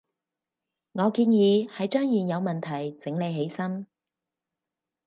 我建議係將現有問題整理起身